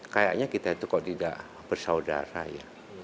kayaknya kita itu kok tidak bersaudara ya